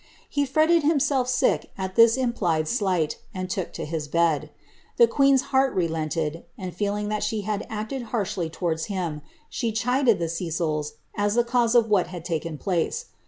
He fretted himself sick at this implied slight, and took to his bed. The queen's heart relented, and feeling that she had acted harshly towards him, she chid the Cecils, as the cause of what had taken place.